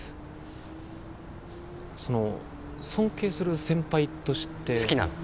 その尊敬する先輩として好きなの？